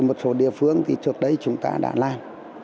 một số địa phương thì trước đây chúng ta đã làm